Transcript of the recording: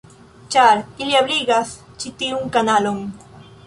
Ĉar ili ebligas ĉi tiun kanalon.